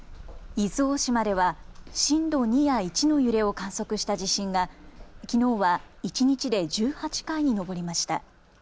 伊豆大島では震度２や１の揺れを観測した地震がきのうは一日で１８回に上りました。